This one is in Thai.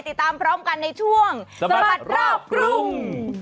ติดตามพร้อมกันในช่วงสบัดรอบกรุง